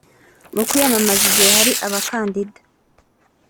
mu kwiyamamaza igihe hari abakandida